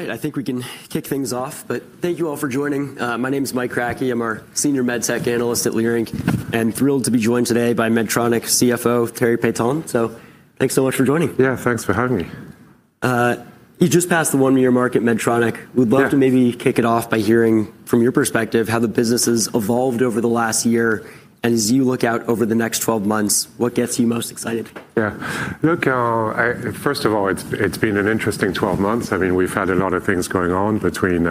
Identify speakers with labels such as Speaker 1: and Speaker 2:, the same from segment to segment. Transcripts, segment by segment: Speaker 1: All right. I think we can kick things off, but thank you all for joining. My name is Mike Kratky. I'm our Senior MedTech Analyst at Leerink, and thrilled to be joined today by Medtronic CFO, Thierry Piéton. Th anks so much for joining.
Speaker 2: Yeah, thanks for having me.
Speaker 1: You just passed the one-year mark at Medtronic.
Speaker 2: Yeah.
Speaker 1: We'd love to maybe kick it off by hearing from your perspective how the business has evolved over the last year, and as you look out over the next 12 months, what gets you most excited?
Speaker 2: Yeah. Look, first of all, it's been an interesting 12 months. I mean, we've had a lot of things going on between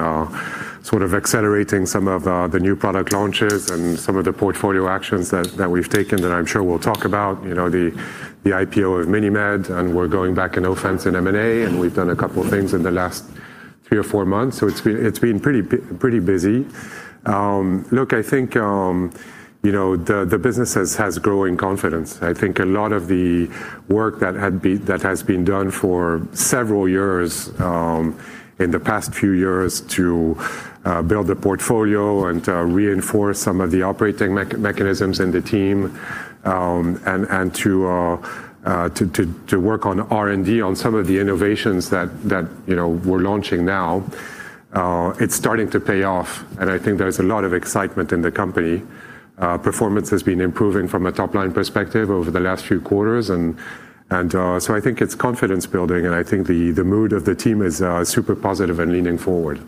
Speaker 2: sort of accelerating some of the new product launches and some of the portfolio actions that we've taken that I'm sure we'll talk about. You know, the IPO of MiniMed, and we're going back in offense in M&A, and we've done a couple things in the last 3 or 4 months. It's been pretty busy. Look, I think, you know, the business has growing confidence. I think a lot of the work that has been done for several years in the past few years to build the portfolio and reinforce some of the operating mechanisms in the team, and to work on R&D on some of the innovations that you know we're launching now, it's starting to pay off, and I think there's a lot of excitement in the company. Performance has been improving from a top-line perspective over the last few quarters, and so I think it's confidence building, and I think the mood of the team is super positive and leaning forward.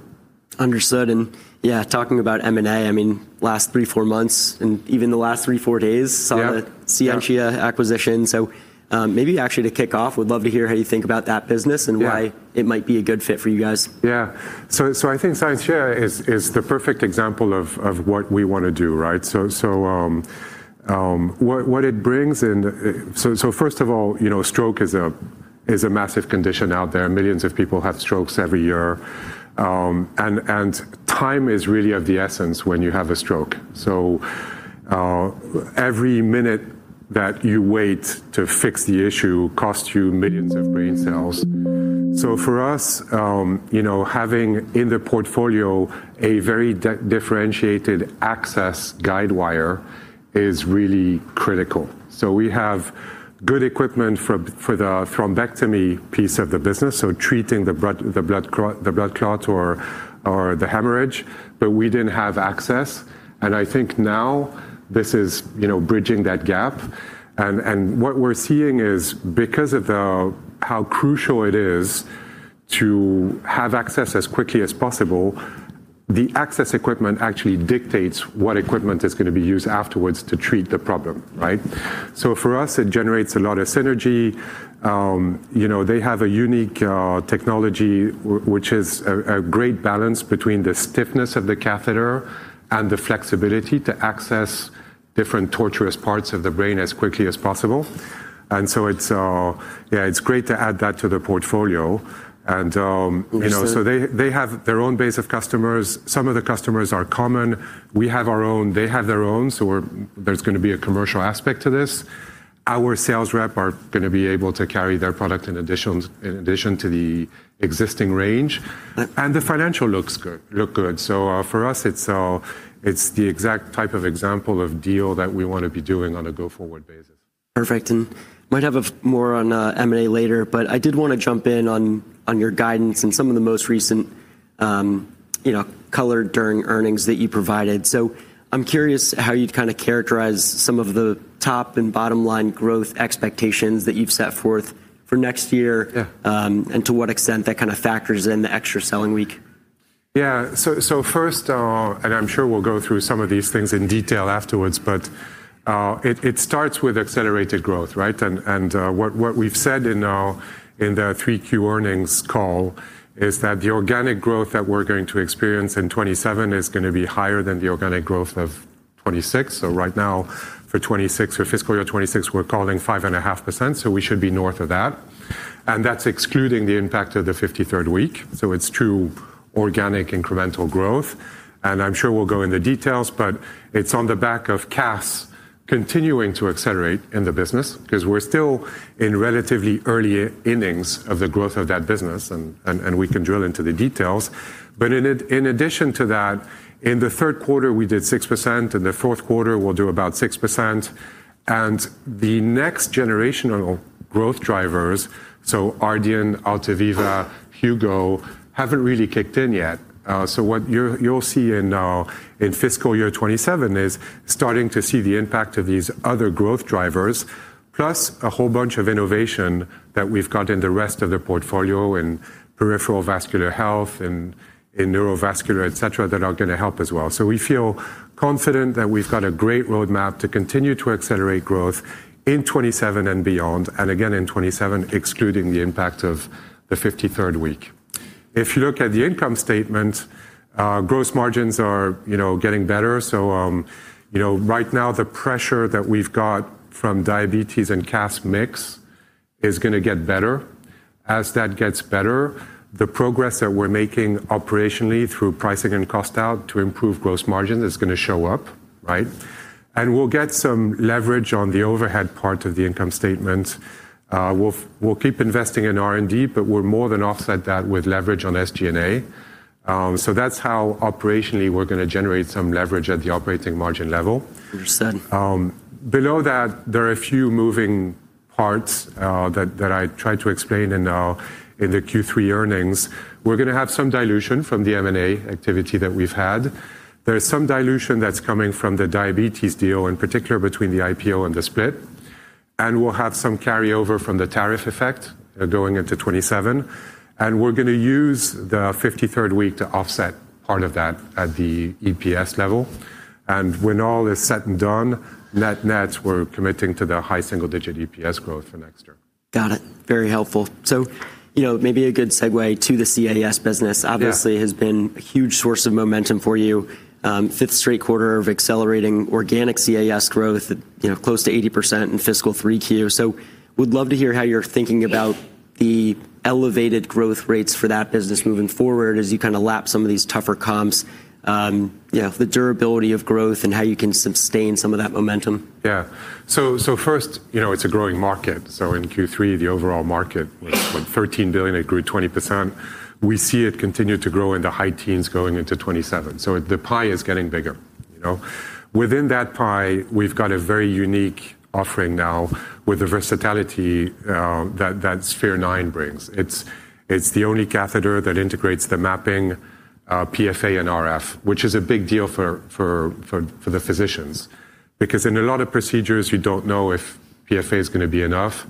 Speaker 1: Understood. Yeah, talking about M&A, I mean, last 3, 4 months and even the last 3, 4 days.
Speaker 2: Yeah
Speaker 1: ...saw the Scientia acquisition. Maybe actually to kick off, we'd love to hear how you think about that business and why-
Speaker 2: Yeah
Speaker 1: It might be a good fit for you guys.
Speaker 2: Yeah. I think Scientia is the perfect example of what we wanna do, right? What it brings in. First of all, you know, stroke is a massive condition out there. Millions of people have strokes every year. Time is really of the essence when you have a stroke. Every minute that you wait to fix the issue costs you millions of brain cells. For us, you know, having in the portfolio a very differentiated access guidewire is really critical. We have good equipment for the thrombectomy piece of the business, so treating the blood clot or the hemorrhage, but we didn't have access. I think now this is, you know, bridging that gap. What we're seeing is because of how crucial it is to have access as quickly as possible, the access equipment actually dictates what equipment is gonna be used afterwards to treat the problem, right? So for us, it generates a lot of synergy. You know, they have a unique technology which is a great balance between the stiffness of the catheter and the flexibility to access different tortuous parts of the brain as quickly as possible.
Speaker 1: Understood
Speaker 2: You know, they have their own base of customers. Some of the customers are common. We have our own. They have their own. There's gonna be a commercial aspect to this. Our sales rep are gonna be able to carry their product in addition to the existing range.
Speaker 1: Uh-
Speaker 2: The financials look good. For us, it's the exact type of example of deal that we wanna be doing on a go-forward basis.
Speaker 1: Perfect. Might have more on M&A later, but I did wanna jump in on your guidance and some of the most recent, you know, color during earnings that you provided. I'm curious how you'd kinda characterize some of the top and bottom line growth expectations that you've set forth for next year.
Speaker 2: Yeah
Speaker 1: to what extent that kind of factors in the extra selling week.
Speaker 2: First, I'm sure we'll go through some of these things in detail afterwards, but it starts with accelerated growth, right? What we've said in the 3Q earnings call is that the organic growth that we're going to experience in 2027 is gonna be higher than the organic growth of 2026. Right now, for 2026 or fiscal year 2026, we're calling 5.5%, so we should be north of that. That's excluding the impact of the 53rd week. It's true organic incremental growth, and I'm sure we'll go in the details, but it's on the back of CAS continuing to accelerate in the business because we're still in relatively early innings of the growth of that business and we can drill into the details. In addition to that, in the Q3, we did 6%, in the Q4, we'll do about 6%. The next generational growth drivers, so Ardian, InterStim, Hugo, haven't really kicked in yet. You'll see in fiscal year 2027 starting to see the impact of these other growth drivers, plus a whole bunch of innovation that we've got in the rest of the portfolio in peripheral vascular health, in neurovascular, et cetera, that are gonna help as well. We feel confident that we've got a great roadmap to continue to accelerate growth in 2027 and beyond, and again in 2027, excluding the impact of the 53rd week. If you look at the income statement, gross margins are, you know, getting better. You know, right now the pressure that we've got from diabetes and CAS mix is gonna get better. As that gets better, the progress that we're making operationally through pricing and cost out to improve gross margin is gonna show up, right? We'll get some leverage on the overhead part of the income statement. We'll keep investing in R&D, but we'll more than offset that with leverage on SG&A. That's how operationally we're gonna generate some leverage at the operating margin level.
Speaker 1: Understood.
Speaker 2: Below that, there are a few moving parts that I tried to explain in the Q3 earnings. We're gonna have some dilution from the M&A activity that we've had. There's some dilution that's coming from the diabetes deal, in particular between the IPO and the split, and we'll have some carryover from the tariff effect going into 2027, and we're gonna use the 53rd week to offset part of that at the EPS level. When all is said and done, net-nets, we're committing to the high single-digit EPS growth for next year.
Speaker 1: Got it. Very helpful. You know, maybe a good segue to the CAS business.
Speaker 2: Yeah.
Speaker 1: Obviously has been a huge source of momentum for you. Fifth straight quarter of accelerating organic CAS growth at, you know, close to 80% in fiscal 3Q. Would love to hear how you're thinking about the elevated growth rates for that business moving forward as you kinda lap some of these tougher comps, yeah, the durability of growth and how you can sustain some of that momentum.
Speaker 2: Yeah. First, you know, it's a growing market, so in Q3 the overall market was, what, $13 billion. It grew 20%. We see it continue to grow in the high teens going into 2027. The pie is getting bigger, you know. Within that pie, we've got a very unique offering now with the versatility that Sphere-9 brings. It's the only catheter that integrates the mapping, PFA and RF, which is a big deal for the physicians because in a lot of procedures you don't know if PFA is gonna be enough.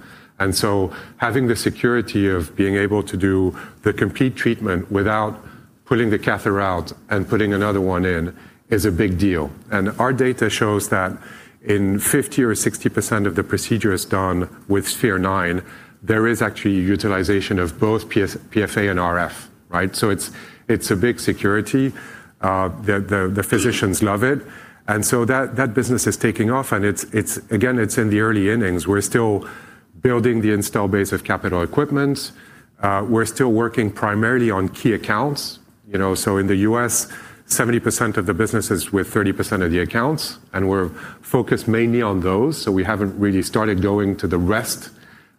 Speaker 2: Having the security of being able to do the complete treatment without pulling the catheter out and putting another one in is a big deal. Our data shows that in 50% or 60% of the procedures done with Sphere-9, there is actually utilization of both PFA and RF, right? It's a big security. The physicians love it, and so that business is taking off, and it's again, it's in the early innings. We're still building the installed base of capital equipment. We're still working primarily on key accounts, you know. In the US, 70% of the business is with 30% of the accounts, and we're focused mainly on those, so we haven't really started going to the rest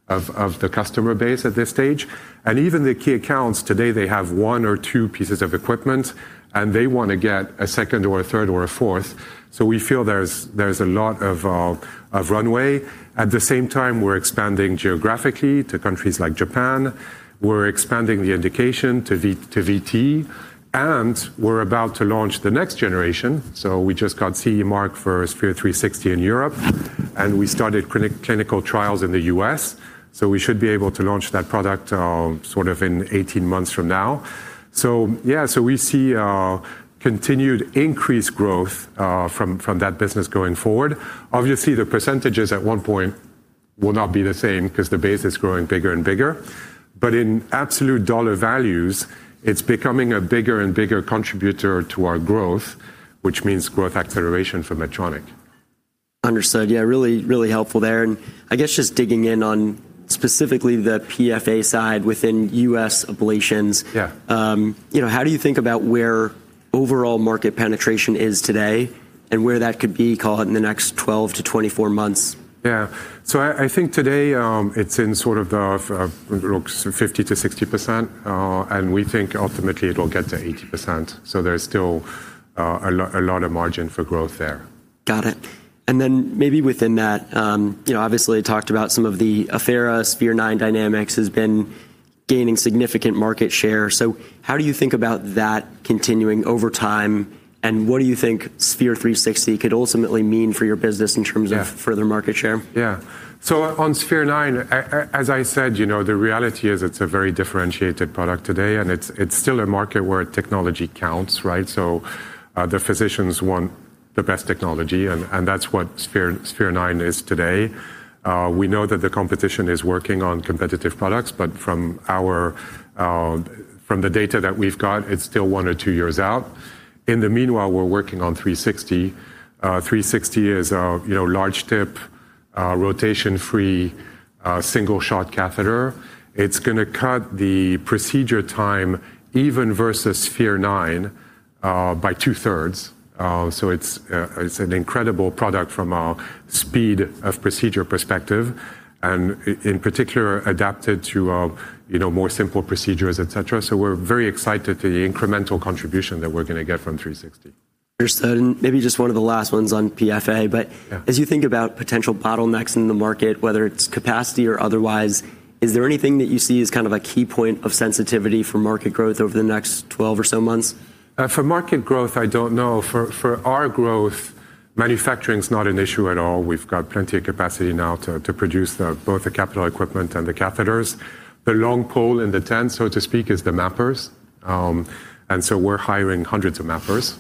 Speaker 2: of the customer base at this stage. Even the key accounts today, they have one or two pieces of equipment, and they wanna get a second or a third or a fourth. We feel there's a lot of runway. At the same time, we're expanding geographically to countries like Japan. We're expanding the indication to VT, and we're about to launch the next generation. We just got CE mark for Sphere-360 in Europe, and we started clinical trials in the US, so we should be able to launch that product, sort of in 18 months from now. Yeah. We see continued increased growth from that business going forward. Obviously, the percentages at one point will not be the same 'cause the base is growing bigger and bigger. But in absolute dollar values, it's becoming a bigger and bigger contributor to our growth, which means growth acceleration for Medtronic.
Speaker 1: Understood. Yeah, really, really helpful there. I guess just digging in on specifically the PFA side within U.S. ablations.
Speaker 2: Yeah.
Speaker 1: You know, how do you think about where overall market penetration is today and where that could be, call it, in the next 12-24 months?
Speaker 2: I think today it's in sort of 50%-60%, and we think ultimately it will get to 80%. There's still a lot of margin for growth there.
Speaker 1: Got it. Maybe within that, you know, obviously talked about some of the Affera Sphere-9 dynamics has been gaining significant market share. How do you think about that continuing over time, and what do you think Sphere-360 could ultimately mean for your business in terms of-
Speaker 2: Yeah.
Speaker 1: further market share?
Speaker 2: Yeah. On Sphere-9, as I said, you know, the reality is it's a very differentiated product today, and it's still a market where technology counts, right? The physicians want the best technology and that's what Sphere-9 is today. We know that the competition is working on competitive products, but from the data that we've got, it's still one or two years out. In the meanwhile, we're working on Sphere-360. Sphere-360 is, you know, a large tip, rotation-free, single shot catheter. It's gonna cut the procedure time even versus Sphere-9 by two-thirds. It's an incredible product from a speed of procedure perspective and in particular adapted to, you know, more simple procedures, et cetera. We're very excited for the incremental contribution that we're gonna get from Sphere-360.
Speaker 1: Understood. Maybe just one of the last ones on PFA, but.
Speaker 2: Yeah.
Speaker 1: As you think about potential bottlenecks in the market, whether it's capacity or otherwise, is there anything that you see as kind of a key point of sensitivity for market growth over the next 12 or so months?
Speaker 2: For market growth, I don't know. For our growth, manufacturing's not an issue at all. We've got plenty of capacity now to produce both the capital equipment and the catheters. The long pole in the tent, so to speak, is the mappers. We're hiring hundreds of mappers.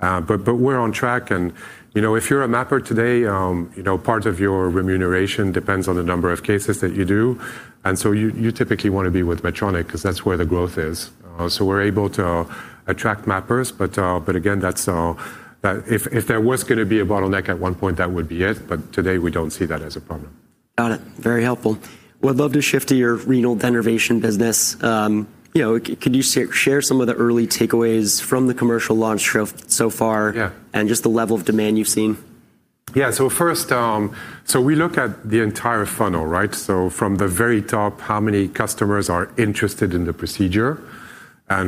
Speaker 2: But we're on track and, you know, if you're a mapper today, you know, part of your remuneration depends on the number of cases that you do. You typically wanna be with Medtronic 'cause that's where the growth is. We're able to attract mappers but again, that's it. If there was gonna be a bottleneck at one point, that would be it, but today we don't see that as a problem.
Speaker 1: Got it. Very helpful. Would love to shift to your renal denervation business. You know, could you share some of the early takeaways from the commercial launch so far?
Speaker 2: Yeah.
Speaker 1: just the level of demand you've seen?
Speaker 2: First, we look at the entire funnel, right? From the very top, how many customers are interested in the procedure?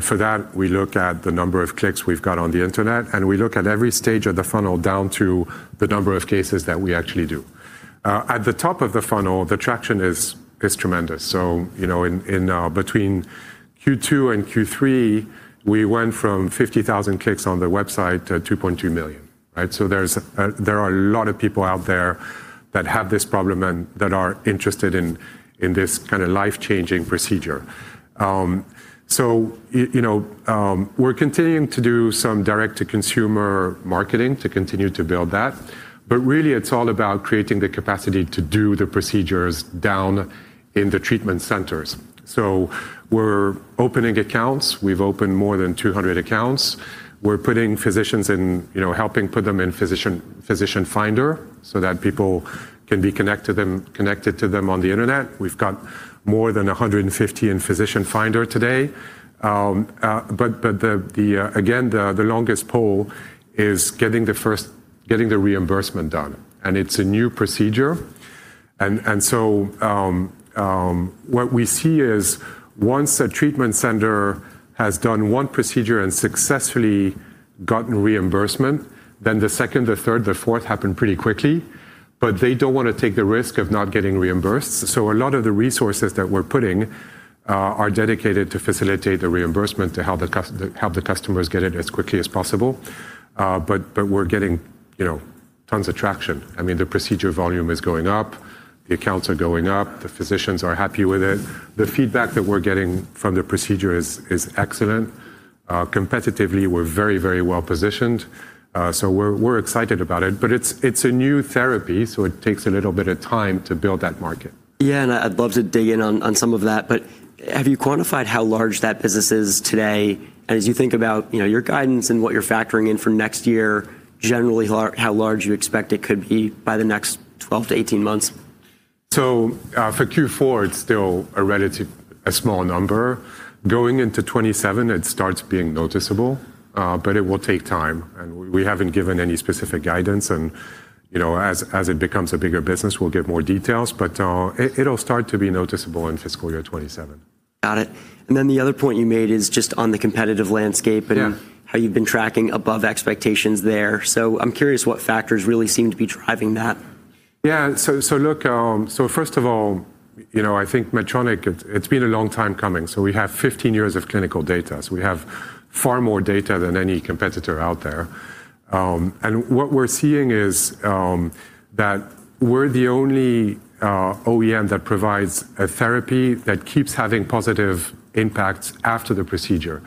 Speaker 2: For that, we look at the number of clicks we've got on the Internet, and we look at every stage of the funnel down to the number of cases that we actually do. At the top of the funnel, the traction is tremendous. You know, in between Q2 and Q3, we went from 50,000 clicks on the website to 2.2 million, right? There are a lot of people out there that have this problem and that are interested in this kinda life-changing procedure. You know, we're continuing to do some direct-to-consumer marketing to continue to build that, but really it's all about creating the capacity to do the procedures down in the treatment centers. We're opening accounts. We've opened more than 200 accounts. We're putting physicians in, you know, helping put them in physician finder so that people can be connected to them on the Internet. We've got more than 150 in physician finder today. But the longest pole is getting the reimbursement done, and it's a new procedure. What we see is once a treatment center has done one procedure and successfully gotten reimbursement, then the second or third or fourth happen pretty quickly. They don't wanna take the risk of not getting reimbursed. A lot of the resources that we're putting are dedicated to facilitate the reimbursement to help the customers get it as quickly as possible. We're getting, you know, tons of traction. I mean, the procedure volume is going up, the accounts are going up, the physicians are happy with it. The feedback that we're getting from the procedure is excellent. Competitively, we're very, very well positioned, so we're excited about it. It's a new therapy, so it takes a little bit of time to build that market.
Speaker 1: Yeah. I'd love to dig in on some of that. Have you quantified how large that business is today as you think about, you know, your guidance and what you're factoring in for next year, generally, how large you expect it could be by the next 12-18 months?
Speaker 2: For Q4, it's still a relatively small number. Going into 2027, it starts being noticeable, but it will take time, and we haven't given any specific guidance. You know, as it becomes a bigger business, we'll give more details, but it'll start to be noticeable in fiscal year 2027.
Speaker 1: Got it. The other point you made is just on the competitive landscape and-
Speaker 2: Yeah.
Speaker 1: How you've been tracking above expectations there. I'm curious what factors really seem to be driving that.
Speaker 2: Yeah. Look, first of all, you know, I think Medtronic, it's been a long time coming. We have 15 years of clinical data, so we have far more data than any competitor out there. And what we're seeing is that we're the only OEM that provides a therapy that keeps having positive impacts after the procedure.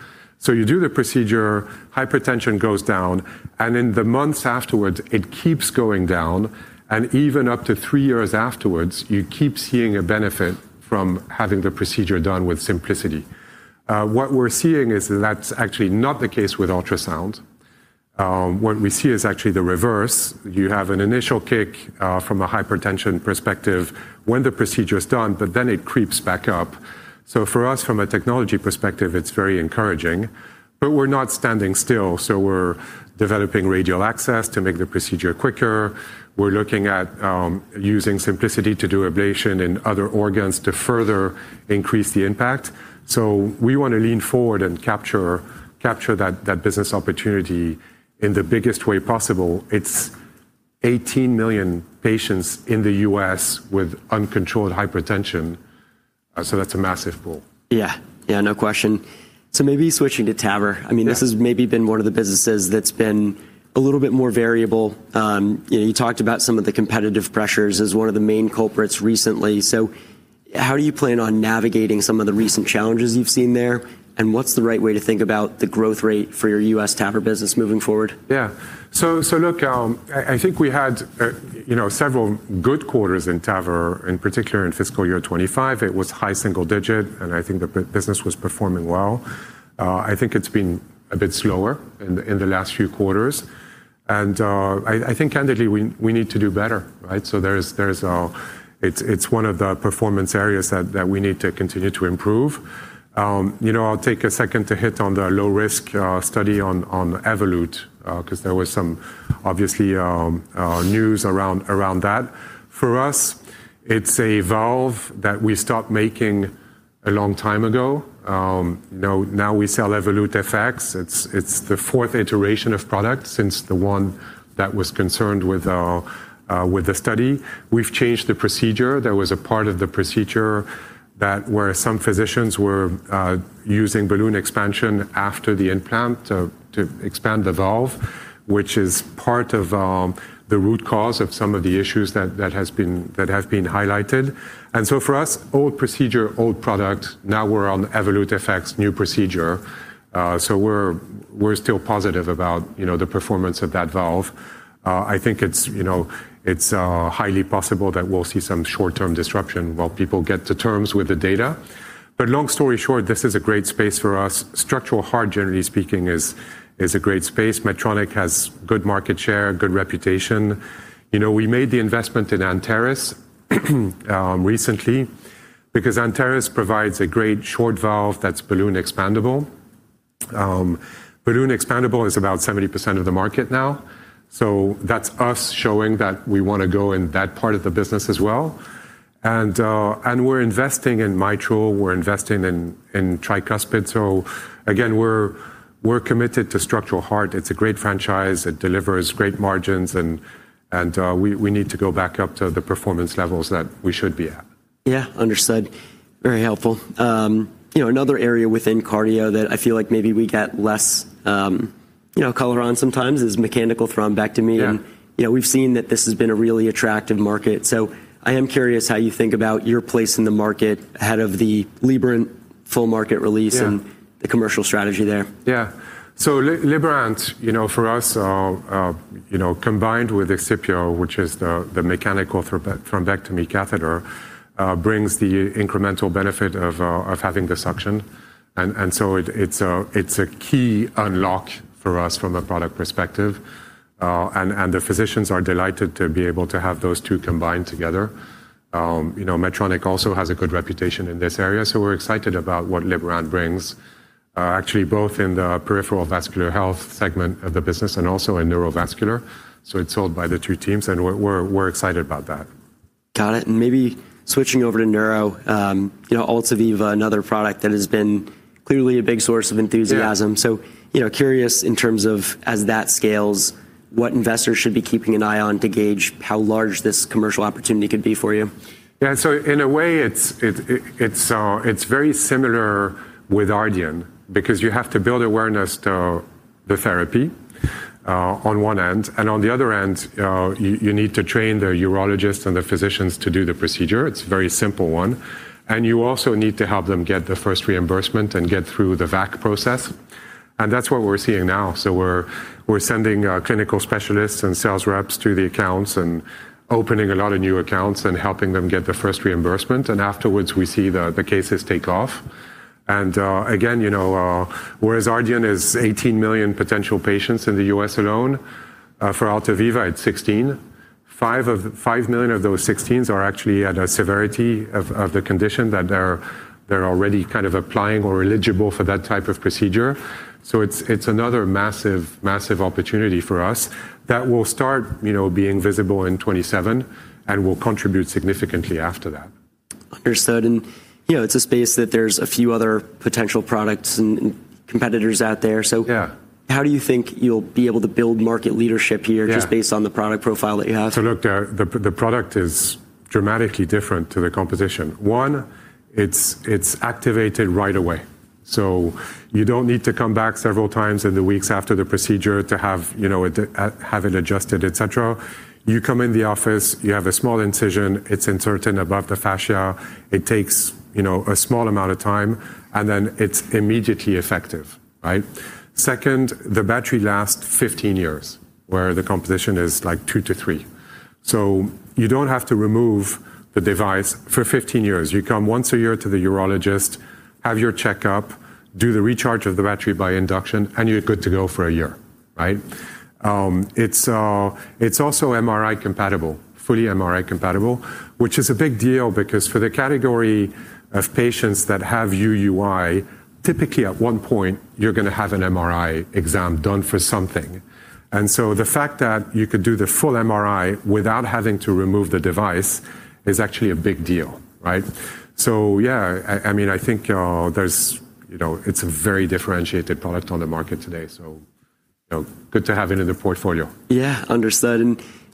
Speaker 2: You do the procedure, hypertension goes down, and in the months afterwards, it keeps going down, and even up to three years afterwards, you keep seeing a benefit from having the procedure done with Simplicity. What we're seeing is that's actually not the case with ultrasound. What we see is actually the reverse. You have an initial kick from a hypertension perspective when the procedure is done, but then it creeps back up. For us, from a technology perspective, it's very encouraging. We're not standing still, so we're developing radial access to make the procedure quicker. We're looking at using Simplicity to do ablation in other organs to further increase the impact. We wanna lean forward and capture that business opportunity in the biggest way possible. It's 18 million patients in the U.S. with uncontrolled hypertension, so that's a massive pool.
Speaker 1: Yeah. Yeah, no question. Maybe switching to TAVR.
Speaker 2: Yeah.
Speaker 1: I mean, this has maybe been one of the businesses that's been a little bit more variable. You know, you talked about some of the competitive pressures as one of the main culprits recently. How do you plan on navigating some of the recent challenges you've seen there, and what's the right way to think about the growth rate for your U.S. TAVR business moving forward?
Speaker 2: Yeah. Look, I think we had you know, several good quarters in TAVR, in particular in fiscal year 2025. It was high single digit, and I think the business was performing well. I think it's been a bit slower in the last few quarters, and I think candidly, we need to do better, right? There is, it's one of the performance areas that we need to continue to improve. You know, I'll take a second to hit on the low risk study on Evolut 'cause there was some obviously news around that. For us, it's a valve that we stopped making a long time ago. Now we sell Evolut FX. It's the fourth iteration of product since the one that was concerned with the study. We've changed the procedure. There was a part of the procedure that where some physicians were using balloon expansion after the implant to expand the valve, which is part of the root cause of some of the issues that have been highlighted. For us, old procedure, old product. Now we're on Evolut FX new procedure. We're still positive about, you know, the performance of that valve. I think it's, you know, highly possible that we'll see some short-term disruption while people come to terms with the data. Long story short, this is a great space for us. Structural heart, generally speaking, is a great space. Medtronic has good market share, good reputation. You know, we made the investment in Anteris recently because Anteris provides a great short valve that's balloon expandable. Balloon expandable is about 70% of the market now. That's us showing that we wanna go in that part of the business as well. We're investing in Mitral, we're investing in tricuspid. Again, we're committed to structural heart. It's a great franchise. It delivers great margins and we need to go back up to the performance levels that we should be at.
Speaker 1: Yeah. Understood. Very helpful. You know, another area within cardio that I feel like maybe we get less, you know, color on sometimes is mechanical thrombectomy.
Speaker 2: Yeah.
Speaker 1: You know, we've seen that this has been a really attractive market. I am curious how you think about your place in the market ahead of the Liberant full market release.
Speaker 2: Yeah
Speaker 1: the commercial strategy there.
Speaker 2: Liberant, you know, for us, combined with Excipio, which is the mechanical thrombectomy catheter, brings the incremental benefit of having the suction. It's a key unlock for us from a product perspective. The physicians are delighted to be able to have those two combined together. You know, Medtronic also has a good reputation in this area, so we're excited about what Liberant brings, actually both in the peripheral vascular health segment of the business and also in neurovascular. It's held by the two teams, and we're excited about that.
Speaker 1: Got it. Maybe switching over to neuro, you know, Altaviva, another product that has been clearly a big source of enthusiasm.
Speaker 2: Yeah.
Speaker 1: You know, curious in terms of as that scales, what investors should be keeping an eye on to gauge how large this commercial opportunity could be for you?
Speaker 2: Yeah. In a way, it's very similar with Ardian because you have to build awareness to the therapy, on one end, and on the other end, you need to train the urologist and the physicians to do the procedure. It's a very simple one, and you also need to help them get the first reimbursement and get through the VAC process. That's what we're seeing now. We're sending clinical specialists and sales reps to the accounts and opening a lot of new accounts and helping them get the first reimbursement. Afterwards, we see the cases take off. Again, you know, whereas Ardian is 18 million potential patients in the U.S. alone, for Altaviva, it's 16.5 of... 5 million of those 16s are actually at a severity of the condition that they're already kind of applying or eligible for that type of procedure. It's another massive opportunity for us that will start, you know, being visible in 2027 and will contribute significantly after that.
Speaker 1: Understood. You know, it's a space that there's a few other potential products and competitors out there.
Speaker 2: Yeah
Speaker 1: How do you think you'll be able to build market leadership here?
Speaker 2: Yeah
Speaker 1: just based on the product profile that you have?
Speaker 2: Look, the product is dramatically different to the competition. One, it's activated right away, so you don't need to come back several times in the weeks after the procedure to have it adjusted, you know, et cetera. You come in the office, you have a small incision, it's inserted above the fascia. It takes a small amount of time, you know, and then it's immediately effective, right? Second, the battery lasts 15 years, where the competition is like 2-3. So you don't have to remove the device for 15 years. You come once a year to the urologist, have your checkup, do the recharge of the battery by induction, and you're good to go for a year, right? It's also MRI compatible, fully MRI compatible, which is a big deal because for the category of patients that have UUI, typically at one point you're gonna have an MRI exam done for something. The fact that you could do the full MRI without having to remove the device is actually a big deal, right? Yeah, I mean, I think, there's, you know, it's a very differentiated product on the market today, so, you know, good to have it in the portfolio.
Speaker 1: Yeah. Understood.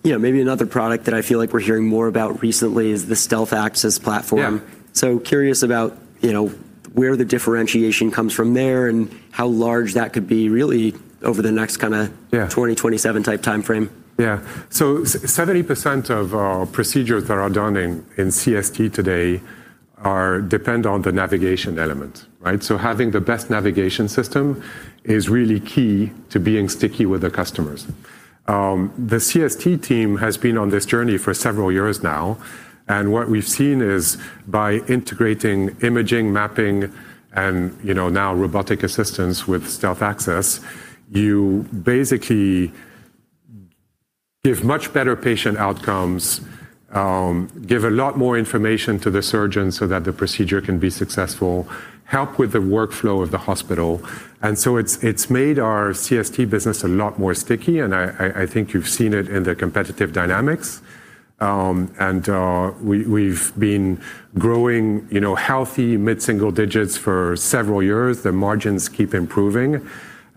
Speaker 1: You know, maybe another product that I feel like we're hearing more about recently is the Stealth Access platform.
Speaker 2: Yeah.
Speaker 1: Curious about, you know, where the differentiation comes from there and how large that could be really over the next kinda-
Speaker 2: Yeah
Speaker 1: 2027 type timeframe.
Speaker 2: Yeah. 70% of our procedures that are done in CST today depend on the navigation element, right? Having the best navigation system is really key to being sticky with the customers. The CST team has been on this journey for several years now, and what we've seen is by integrating imaging, mapping, and you know, now robotic assistance with StealthStation, you basically give much better patient outcomes, give a lot more information to the surgeon so that the procedure can be successful, help with the workflow of the hospital. It's made our CST business a lot more sticky, and I think you've seen it in the competitive dynamics. We've been growing you know, healthy mid-single-digit% for several years. The margins keep improving.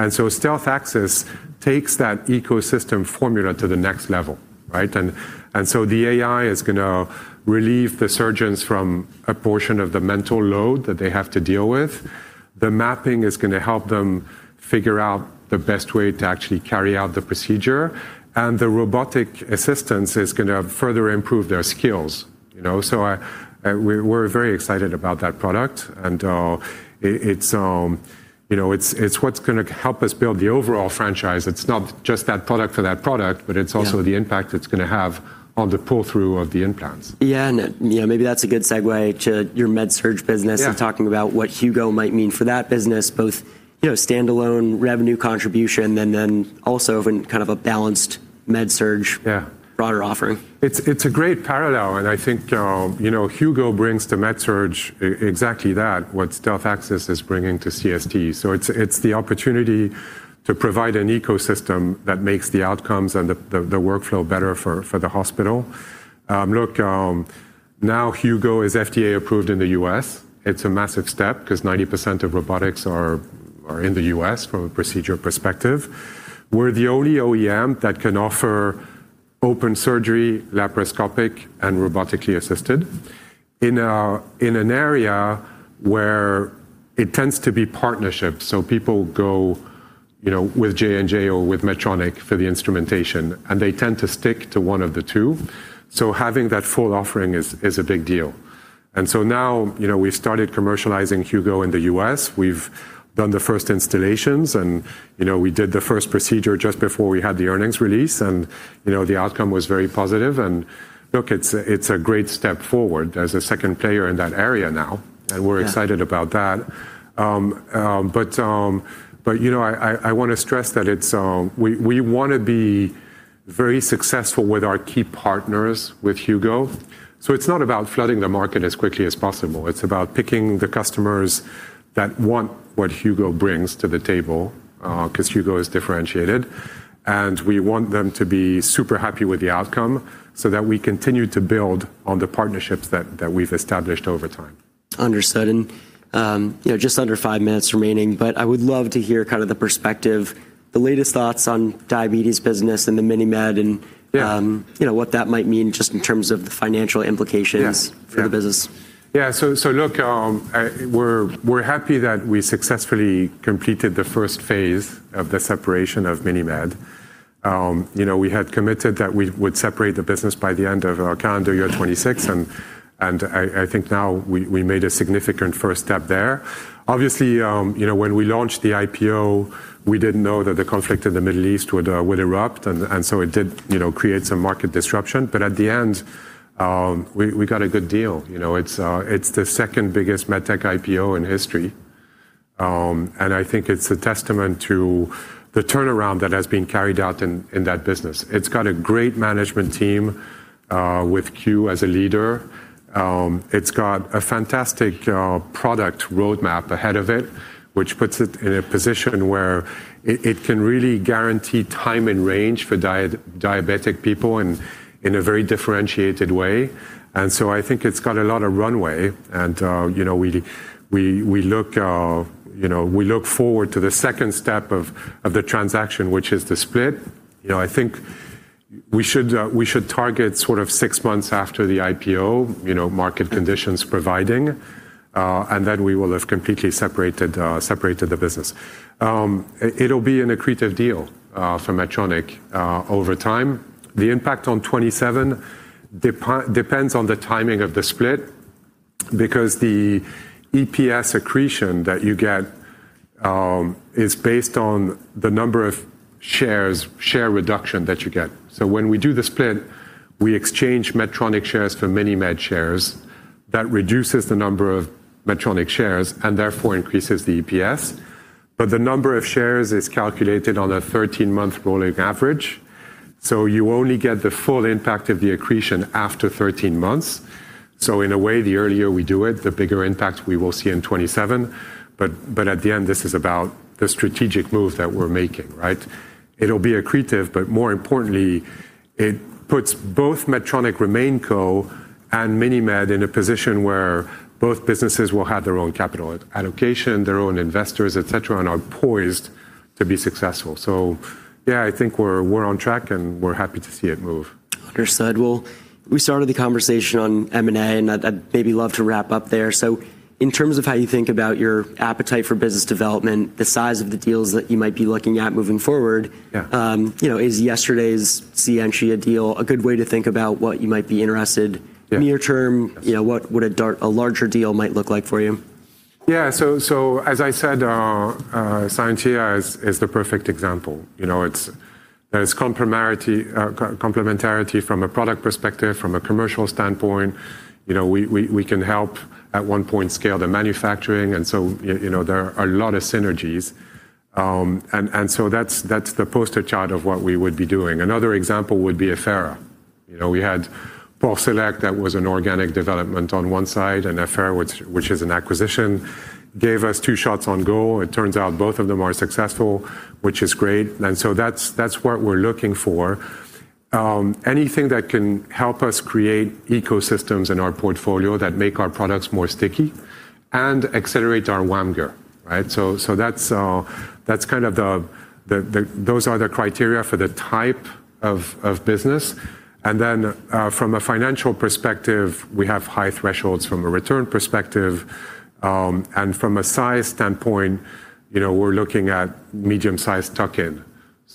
Speaker 2: AiBLE takes that ecosystem formula to the next level, right? The AI is gonna relieve the surgeons from a portion of the mental load that they have to deal with. The mapping is gonna help them figure out the best way to actually carry out the procedure, and the robotic assistance is gonna further improve their skills, you know? We're very excited about that product and it's you know it's what's gonna help us build the overall franchise. It's not just that product for that product, but it's also.
Speaker 1: Yeah
Speaker 2: the impact it's gonna have on the pull-through of the implants.
Speaker 1: Yeah. You know, maybe that's a good segue to your MedSurg business.
Speaker 2: Yeah
Speaker 1: talking about what Hugo might mean for that business, both, you know, standalone revenue contribution and then also in kind of a balanced med-surg
Speaker 2: Yeah
Speaker 1: broader offering.
Speaker 2: It's a great parallel, and I think, you know, Hugo brings to med-surg exactly that, what Stealth Access is bringing to CST. It's the opportunity to provide an ecosystem that makes the outcomes and the workflow better for the hospital. Look, now Hugo is FDA approved in the U.S. It's a massive step 'cause 90% of robotics occur in the U.S. from a procedure perspective. We're the only OEM that can offer open surgery, laparoscopic, and robotically assisted in an area where it tends to be partnerships. People go, you know, with J&J or with Medtronic for the instrumentation, and they tend to stick to one of the two. Having that full offering is a big deal. Now, you know, we've started commercializing Hugo in the U.S. We've done the first installations and, you know, we did the first procedure just before we had the earnings release and, you know, the outcome was very positive. Look, it's a great step forward as a second player in that area now.
Speaker 1: Yeah.
Speaker 2: We're excited about that. You know, I wanna stress that it's. We wanna be very successful with our key partners with Hugo. It's not about flooding the market as quickly as possible. It's about picking the customers that want what Hugo brings to the table, 'cause Hugo is differentiated, and we want them to be super happy with the outcome so that we continue to build on the partnerships that we've established over time.
Speaker 1: Understood. You know, just under five minutes remaining, but I would love to hear kind of the perspective, the latest thoughts on Diabetes business and the MiniMed and-
Speaker 2: Yeah.
Speaker 1: You know, what that might mean just in terms of the financial implications.
Speaker 2: Yes. Yeah.
Speaker 1: for the business.
Speaker 2: Yeah. Look, we're happy that we successfully completed the first phase of the separation of MiniMed. You know, we had committed that we would separate the business by the end of our calendar year 2026, and I think now we made a significant first step there. Obviously, you know, when we launched the IPO, we didn't know that the conflict in the Middle East would erupt and so it did, you know, create some market disruption. At the end, we got a good deal. You know, it's the second biggest medtech IPO in history. I think it's a testament to the turnaround that has been carried out in that business. It's got a great management team with Que Dallara as a leader. It's got a fantastic product roadmap ahead of it, which puts it in a position where it can really guarantee time in range for diabetic people and in a very differentiated way. I think it's got a lot of runway and you know we look forward to the second step of the transaction, which is the split. You know I think we should target sort of six months after the IPO, market conditions providing, and then we will have completely separated the business. It'll be an accretive deal for Medtronic over time. The impact on 2027 EPS depends on the timing of the split because the EPS accretion that you get is based on the number of share reduction that you get. When we do the split, we exchange Medtronic shares for MiniMed shares. That reduces the number of Medtronic shares and therefore increases the EPS. The number of shares is calculated on a 13-month rolling average, so you only get the full impact of the accretion after 13 months. In a way, the earlier we do it, the bigger impact we will see in 2027. At the end, this is about the strategic move that we're making, right? It'll be accretive, but more importantly, it puts both Medtronic RemainCo and MiniMed in a position where both businesses will have their own capital allocation, their own investors, et cetera, and are poised to be successful. Yeah, I think we're on track, and we're happy to see it move.
Speaker 1: Understood. Well, we started the conversation on M&A, and I'd maybe love to wrap up there. In terms of how you think about your appetite for business development, the size of the deals that you might be looking at moving forward.
Speaker 2: Yeah
Speaker 1: You know, is yesterday's Scientia deal a good way to think about what you might be interested?
Speaker 2: Yeah.
Speaker 1: Near term?
Speaker 2: Yes.
Speaker 1: You know, what would a larger deal might look like for you?
Speaker 2: Yeah. As I said, Scientia is the perfect example. You know, it's complementarity from a product perspective, from a commercial standpoint. You know, we can help at one point scale the manufacturing and so you know, there are a lot of synergies. That's the poster child of what we would be doing. Another example would be Affera. You know, we had PulseSelect that was an organic development on one side, and Affera which is an acquisition, gave us two shots on goal. It turns out both of them are successful, which is great. That's what we're looking for, anything that can help us create ecosystems in our portfolio that make our products more sticky and accelerate our WAMGR, right? Those are the criteria for the type of business. From a financial per spective, we have high thresholds from a return perspective. From a size standpoint, you know, we're looking at medium-sized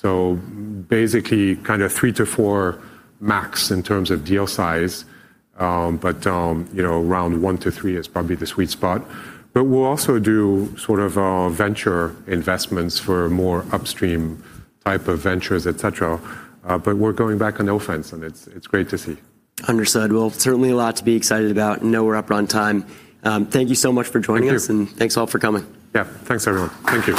Speaker 2: tuck-in. Basically kind of 3-4 max in terms of deal size, but you know, around 1-3 is probably the sweet spot. We'll also do sort of venture investments for more upstream type of ventures, et cetera. We're going back on the offense and it's great to see.
Speaker 1: Understood. Well, certainly a lot to be excited about, and I know we're up on time. Thank you so much for joining us.
Speaker 2: Thank you.
Speaker 1: Thanks all for coming.
Speaker 2: Yeah. Thanks, everyone. Thank you.